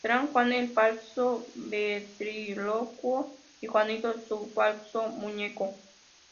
Serán Juan, el falso ventrílocuo y Juanito, su falso muñeco.